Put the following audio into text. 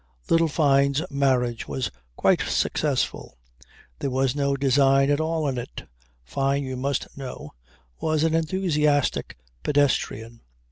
"Little Fyne's marriage was quite successful. There was no design at all in it. Fyne, you must know, was an enthusiastic pedestrian.